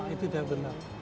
itu sudah benar